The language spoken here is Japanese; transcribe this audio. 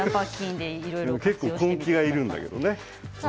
結構、根気がいるんだけどね。